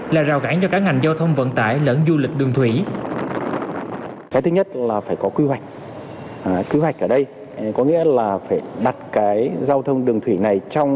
là rào cản cho các ngành giao thông vận tải lẫn du lịch đường thủy